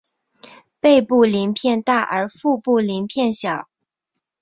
背部鳞片大而腹部鳞片小。